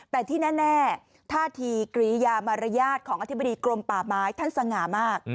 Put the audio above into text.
แต่ที่แน่ท่าทีกรียามารยาทของอธิบดีกรมป่าไม้ท่านสง่ามาก